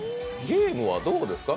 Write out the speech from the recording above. ゲームはどうですか？